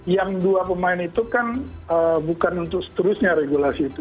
yang dua pemain itu kan bukan untuk seterusnya regulasi itu